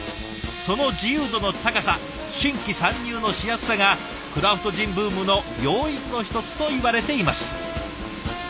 その自由度の高さ新規参入のしやすさがクラフトジンブームの要因の一つといわれています。